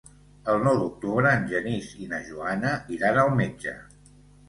El nou d'octubre en Genís i na Joana iran al metge.